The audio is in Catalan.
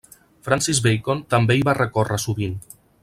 Francis Bacon també hi va recórrer sovint.